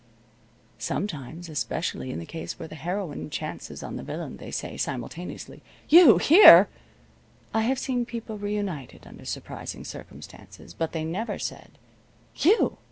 Sometimes, especially in the case where the heroine chances on the villain, they say, simultaneously: "You! Here!" I have seen people reunited under surprising circumstances, but they never said, "You!"